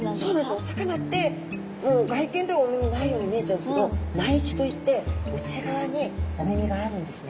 お魚ってもう外見ではお耳ないように見えちゃうんですけど内耳といって内側にお耳があるんですね。